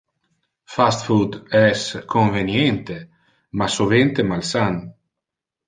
Fast-food es conveniente ma sovente malsan.